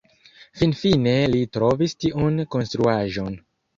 Finfine li trovis tiun konstruaĵon.